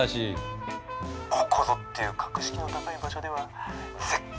ここぞっていう格式の高い場所では絶対にこの草履だよ」。